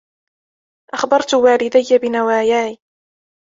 أخبرت والديّ بنواياي.